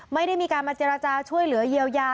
ไม่ได้มีการมาเจรจาช่วยเหลือเยียวยา